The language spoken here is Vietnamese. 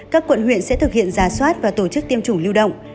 các quận huyện sẽ thực hiện giả soát và tổ chức tiêm chủng lưu động